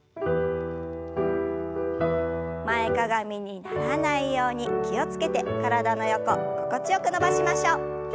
前かがみにならないように気を付けて体の横心地よく伸ばしましょう。